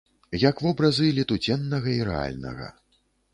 Як вобразы летуценнага і рэальнага.